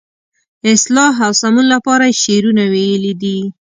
اصلاح او سمون لپاره یې شعرونه ویلي دي.